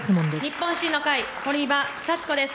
日本維新の会、堀場幸子です。